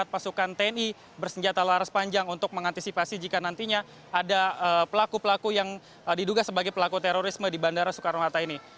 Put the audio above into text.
pasukan tni bersenjata laras panjang untuk mengantisipasi jika nantinya ada pelaku pelaku yang diduga sebagai pelaku terorisme di bandara soekarno hatta ini